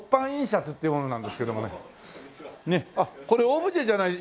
あっこれオブジェじゃない？